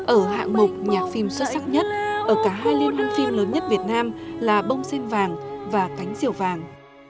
ở hạng mục nhạc phim xuất sắc nhất ở cả hai liên phim lớn nhất việt nam là bông sen vàng và cánh diều vàng